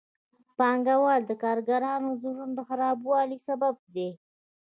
پانګوال د کارګرانو د ژوند د خرابوالي سبب دي